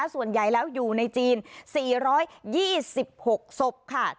ส่วนใหญ่แล้วอยู่ในจีน๔๒๖ศพค่ะ